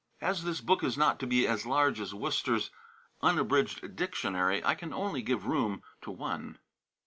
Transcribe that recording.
As this book is not to be as large as Worcester's Unabridged Dictionary, I can only give room to one.